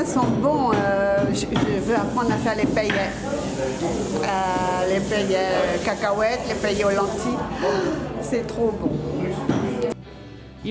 saya ingin belajar membuat kue kakao dan kue lantai